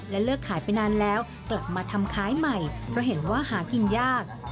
เลิกขายไปนานแล้วกลับมาทำขายใหม่เพราะเห็นว่าหากินยาก